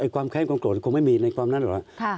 ความแค้นความโกรธคงไม่มีในความนั้นหรอก